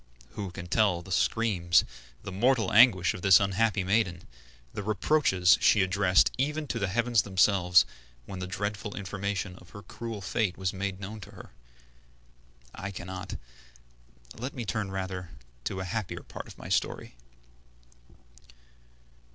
Who can tell the screams, the mortal anguish of this unhappy maiden, the reproaches she addressed even to the heavens themselves, when the dreadful information of her cruel fate was made known to her? I cannot; let me rather turn to a happier part of my story.